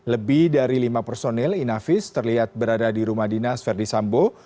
lebih dari lima personil inavis terlihat berada di rumah dinas verdi sambo